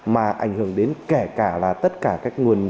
mà ảnh hưởng đến kẻ gà là tất cả các người